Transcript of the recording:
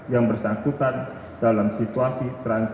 yang bersangkutan dalam situasi